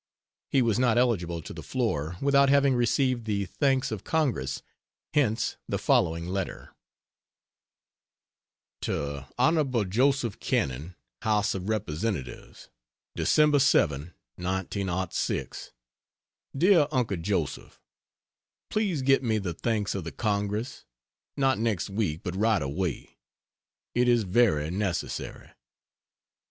He was not eligible to the floor without having received the thanks of Congress, hence the following letter: To Hon. Joseph Cannon, House of Representatives: Dec. 7, 1906. DEAR UNCLE JOSEPH, Please get me the thanks of the Congress not next week but right away. It is very necessary.